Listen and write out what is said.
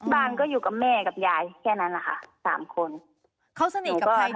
บ้านก็อยู่กับแม่กับยายแค่นั้นแหละค่ะ๓คน